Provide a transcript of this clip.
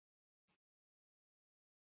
سنگ مرمر د افغانستان د بڼوالۍ برخه ده.